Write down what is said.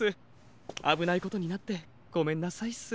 あぶないことになってごめんなさいっす。